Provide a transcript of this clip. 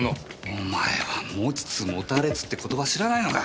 お前は持ちつ持たれつって言葉知らないのか？